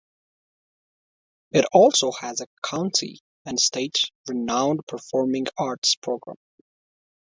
It also has a county and state renowned performing arts program.